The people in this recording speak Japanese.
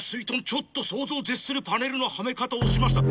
ちょっと想像を絶するパネルのはめ方をしました。